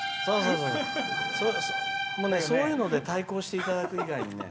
そういうので対抗していただく以外ね。